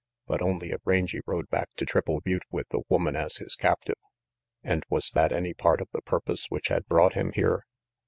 But only if Rangy rode back to Triple Butte with the woman as his captive. And was that any part of the purpose which had brought him here?